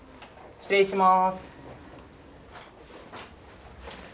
失礼します。